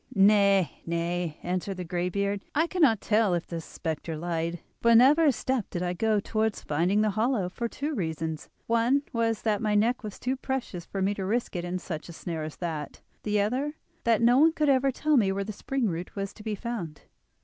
"Nay, nay," answered the greybeard. "I cannot tell if the spectre lied, for never a step did I go towards finding the hollow, for two reasons:—one was that my neck was too precious for me to risk it in such a snare as that; the other, that no one could ever tell me where the spring root was to be found."